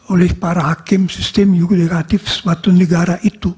oleh para hakim sistem yudikatif suatu negara itu